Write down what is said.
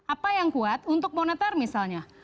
apa yang kuat untuk moneter misalnya